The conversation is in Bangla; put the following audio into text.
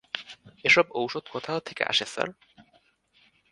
এসব ওষুধ কোথা থেকে আসে, স্যার?